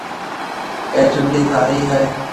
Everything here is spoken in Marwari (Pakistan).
اَي چونڙِي ٿارِي هيَ۔